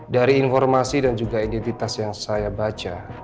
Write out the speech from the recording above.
dari informasi dan juga identitas yang saya baca